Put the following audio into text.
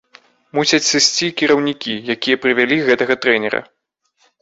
Мусяць сысці кіраўнікі, якія прывялі гэтага трэнера.